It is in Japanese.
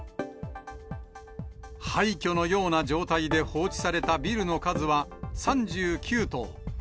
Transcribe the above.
廃虚のような状態で放置されたビルの数は３９棟。